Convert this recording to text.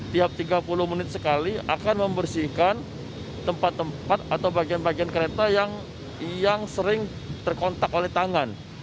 tiap tiga puluh menit sekali akan membersihkan tempat tempat atau bagian bagian kereta yang sering terkontak oleh tangan